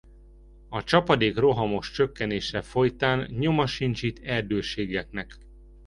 A csapadék rohamos csökkenése folytán nyoma sincs itt erdőségeknek.